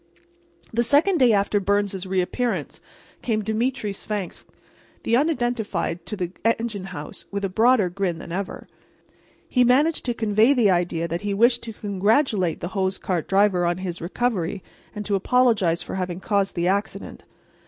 The second day after Byrnes's reappearance came Demetre Svangvsk, the unidentified, to the engine house, with a broader grin than ever. He managed to convey the idea that he wished to congratulate the hose cart driver on his recovery and to apologize for having caused the accident.